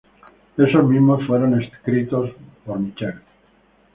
Esos mismos fueron escritos por Michel.